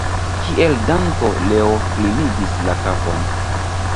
Kiel danko Leo klinigis la kapon.